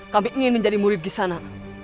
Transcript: kami ingin menjadi murid gisana